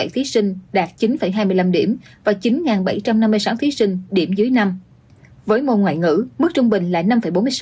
một mươi thí sinh đạt chín hai mươi năm điểm và chín bảy trăm năm mươi sáu thí sinh điểm dưới năm với môn ngoại ngữ mức trung bình là năm bốn mươi sáu